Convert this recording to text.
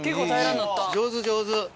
上手上手。